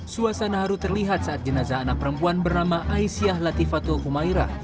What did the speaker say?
suasana haru terlihat saat jenazah anak perempuan bernama aisyah latifatul kumairah